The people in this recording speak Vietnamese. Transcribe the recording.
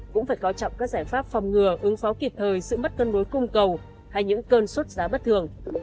cũng phải coi trọng các giải pháp phòng ngừa ứng phó kịp thời sự mất cân đối cung cầu hay những cơn sốt giá bất thường